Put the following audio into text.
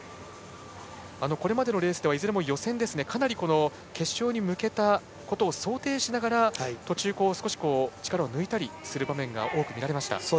これまでのレースではいずれも予選で決勝に向けたことを想定しながら途中少し力を抜いたりする場面が多く見られました。